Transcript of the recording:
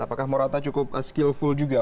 apakah morata cukup skillful juga